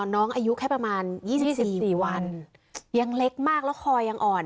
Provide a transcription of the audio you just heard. น้องอายุแค่ประมาณ๒๔วันยังเล็กมากแล้วคอยังอ่อน